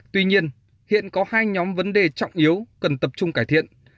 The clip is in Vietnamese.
tuy nhiên hiện có hai nhóm vấn đề trọng yếu cần tập trung cải thiện